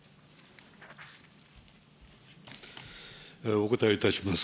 お答えいたします。